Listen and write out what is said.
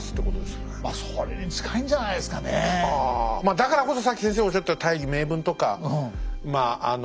まあだからこそさっき先生がおっしゃった大義名分とかまああの。